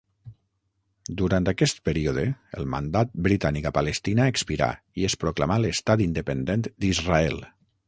Durant aquest període, el mandat britànic a Palestina expirà i es proclamà l'Estat Independent d'Israel.